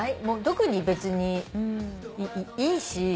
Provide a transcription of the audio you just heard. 特に別にいいし。